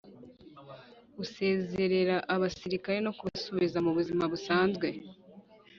gusezerera abasirikare no kubasubiza mu buzima busanzwe,